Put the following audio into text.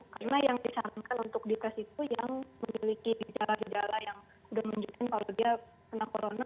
karena yang disarankan untuk di tes itu yang memiliki gejala gejala yang sudah menunjukkan kalau dia kena corona